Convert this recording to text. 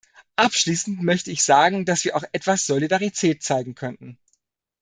Abschließend möchte ich sagen, dass wir auch etwas Solidarität zeigen könnten.